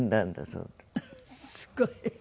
すごい。